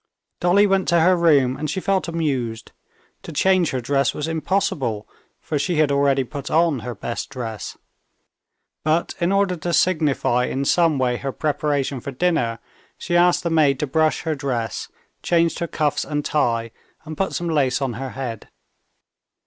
Dolly went to her room and she felt amused. To change her dress was impossible, for she had already put on her best dress. But in order to signify in some way her preparation for dinner, she asked the maid to brush her dress, changed her cuffs and tie, and put some lace on her head.